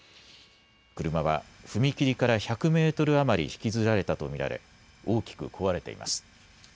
車は踏切から１００メートル余り引きずられたと見られ大きく壊れています。